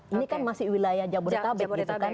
ini kan masih wilayah jabodetabek gitu kan